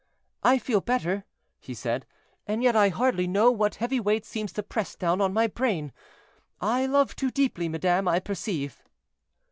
"I feel better," he said, "and yet I hardly know what heavy weight seems to press down on my brain; I love too deeply, madame, I perceive."